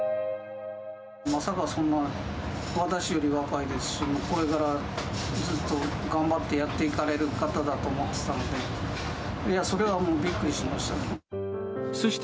まさかそんな、私より若いですし、これからずっと頑張ってやっていかれる方だと思ってたんで、いや、それはもう、びっくりしました。